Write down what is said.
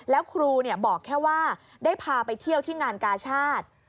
แล้วครูบอกแค่ว่าได้พาไปเที่ยวที่งานกาชาติ